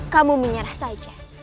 kamu menyerah saja